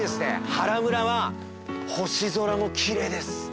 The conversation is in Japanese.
原村は星空も奇麗です。